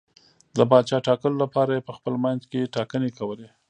د پاچا ټاکلو لپاره یې په خپل منځ کې ټاکنې کولې.